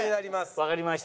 わかりました。